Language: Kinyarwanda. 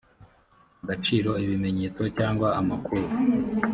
agaciro ibimenyetso cyangwa amakuru